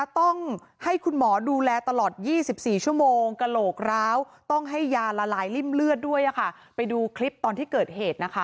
ตอนที่เกิดเหตุนะคะ